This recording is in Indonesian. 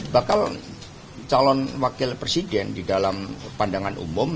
bakal calon wakil presiden di dalam pandangan umum